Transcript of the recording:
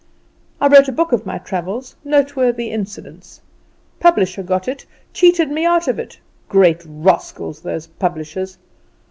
I wrote a book of my travels noteworthy incidents. Publisher got it cheated me out of it. Great rascals those publishers!